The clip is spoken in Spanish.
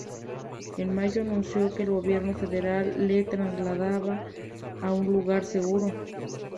En mayo anunció que el gobierno federal la trasladaba "a un lugar seguro".